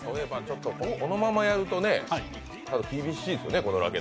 このままやると、厳しいですよね。